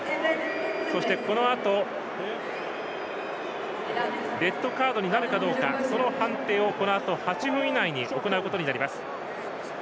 そしてこのあとレッドカードになるかどうかその判定をこのあと８分以内に行うことになります。